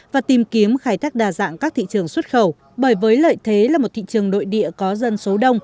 và tìm kiếm khai thác đa dạng các thị trường xuất khẩu bởi với lợi thế là một thị trường nội địa có dân số đông